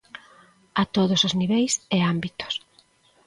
A todos os niveis e ámbitos.